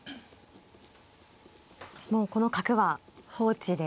もうこの角は放置で。